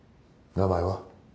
・名前は？